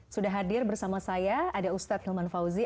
sudah hadir bersama saya ada ustadz hilman fauzi